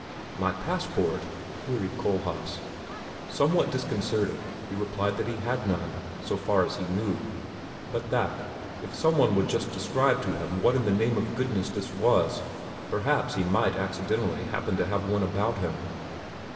"My passport?" queried Kohlhaas. Somewhat disconcerted, he replied that he had none, so far as he knew, but that, if some one would just describe to him what in the name of goodness this was, perhaps he might accidentally happen to have one about him.